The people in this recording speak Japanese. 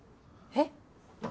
えっ？